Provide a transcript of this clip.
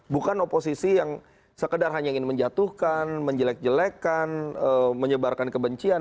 bukan oposisi yang sekedar hanya ingin menjatuhkan menjelek jelekkan menyebarkan kebencian